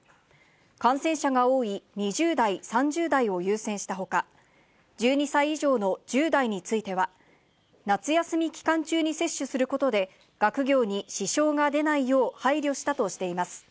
感染者が多い２０代、３０代を優先したほか、１２歳以上の１０代については、夏休み期間中に接種することで、学業に支障が出ないよう、配慮したとしています。